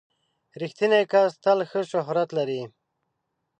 • رښتینی کس تل ښه شهرت لري.